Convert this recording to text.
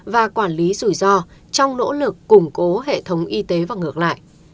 và quản lý rủi ro trong nỗ lực củng cố hệ thống y tế và ngược lại